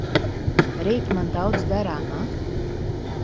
Rīt man daudz darāmā.